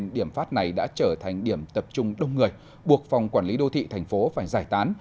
điểm tập trung đông người buộc phòng quản lý đô thị thành phố phải giải tán